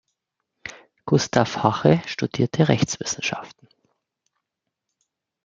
Gustav Hache studierte Rechtswissenschaften.